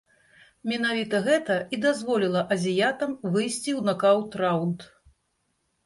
Менавіта гэта і дазволіла азіятам выйсці ў накаўт-раўнд.